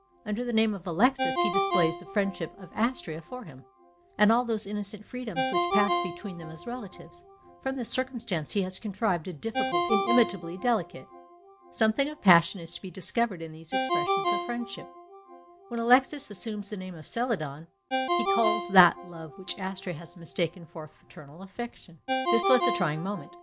Under the name of Alexis he displays the friendship of Astrea for him, and all those innocent freedoms which passed between them as relatives; from this circumstance he has contrived a difficulty inimitably delicate. Something of passion is to be discovered in these expressions of friendship. When Alexis assumes the name of Celadon, he calls that love which Astrea had mistaken for fraternal affection. This was the trying moment.